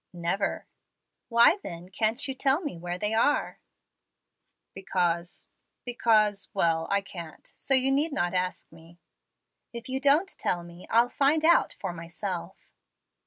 "Never." "Why, then, can't you tell me where they are?" "Because because Well I can't; so you need not ask me." "If you don't tell me, I'll find out for myself."